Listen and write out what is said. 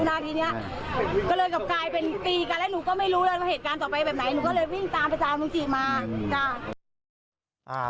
หนูก็เลยวิ่งตามไปตามมุงจิมา